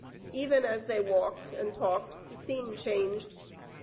Even as they walked and talked the scene changed.